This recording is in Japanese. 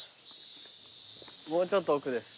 もうちょっと奥です。